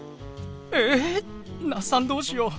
え那須さんどうしよう。